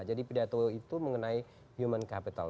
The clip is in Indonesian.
jadi pidato itu mengenai human capital